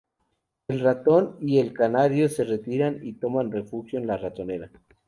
El ratón y el canario se retiran y toman refugio en la ratonera.